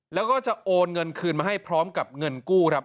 แล้วก็จะโอนเงินคืนมาให้พร้อมกับเงินกู้ครับ